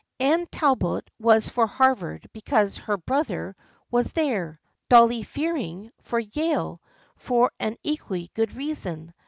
Anne Talbot was for Harvard because her brother was there, Dolly Fearing for Yale for an equally good reason.